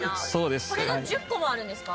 これが１０個もあるんですか？